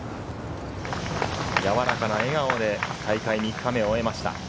やわらかな笑顔で大会３日目を終えました。